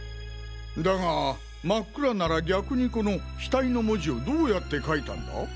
だが真っ暗なら逆にこの額の文字をどうやって書いたんだ？